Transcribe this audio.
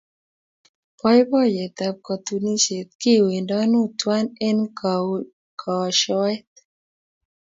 boiboiyet ab katunisiet kiwendonu twaii eng koashoet